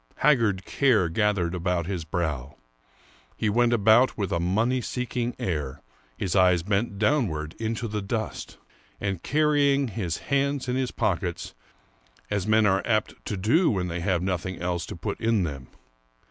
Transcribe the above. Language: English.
Haggard care gathered about his brow; he went about with a money seeking air, his eyes bent downward into the dust, and carrying his hands in his pockets, as men are apt to do when they have nothing else to put into them.